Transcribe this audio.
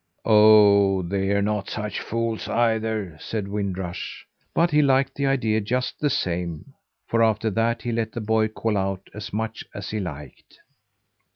"Oh! they're not such fools, either," said Wind Rush; but he liked the idea just the same, for after that he let the boy call out as much as he liked.